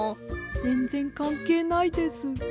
ぜんぜんかんけいないです。